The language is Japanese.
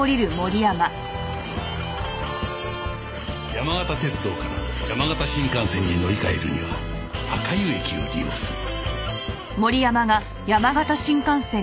山形鉄道から山形新幹線に乗り換えるには赤湯駅を利用する